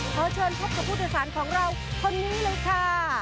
ขอเชิญพบกับผู้โดยสารของเราคนนี้เลยค่ะ